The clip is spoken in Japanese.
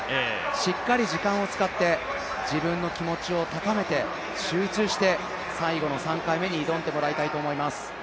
しっかり時間を使って自分の気持ちを高めて集中して最後の３回目に挑んでもらいたいと思います。